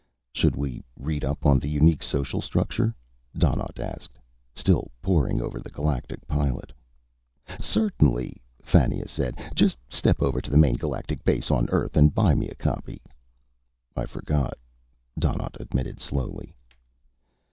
"Should we read up on the unique social structure?" Donnaught asked, still poring over The Galactic Pilot. "Certainly," Fannia said. "Just step over to the main galactic base on Earth and buy me a copy." "I forgot," Donnaught admitted slowly.